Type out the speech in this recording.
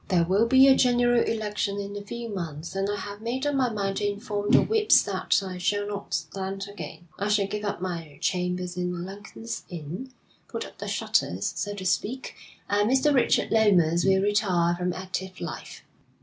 There will be a general election in a few months, and I have made up my mind to inform the whips that I shall not stand again. I shall give up my chambers in Lincoln's Inn, put up the shutters, so to speak, and Mr. Richard Lomas will retire from active life.'